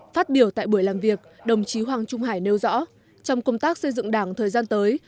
phát biểu tại buổi làm việc đồng chí hoàng trung hải nêu rõ trong công tác xây dựng đảng thời gian tới